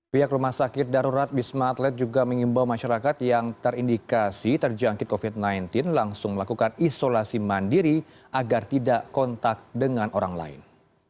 pihak rumah sakit darurat wisma atlet juga mengimbau masyarakat yang terindikasi terjangkit covid sembilan belas langsung melakukan isolasi mandiri agar tidak kontak dengan orang lain